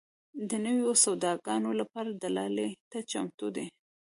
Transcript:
د نویو سوداګانو لپاره دلالۍ ته چمتو دي.